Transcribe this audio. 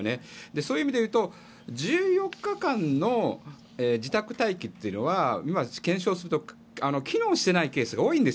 そういう意味で言うと１４日間の自宅待機というのは今、検証すると機能していないケースが多いんです。